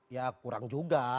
ya kurang juga